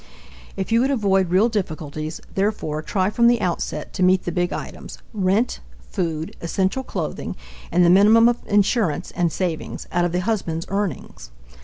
If you would avoid real difficulties, therefore, try from the outset to meet the big items rent, food, essential clothing, and the minimum of insurance and savings out of the husband's earnings.